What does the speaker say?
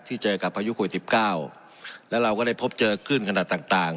เจอกับพายุโควิดสิบเก้าแล้วเราก็ได้พบเจอขึ้นขนาดต่างต่าง